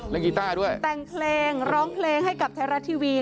กีต้าด้วยแต่งเพลงร้องเพลงให้กับไทยรัฐทีวี